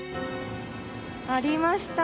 ありました。